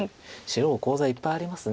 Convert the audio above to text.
白コウ材いっぱいあります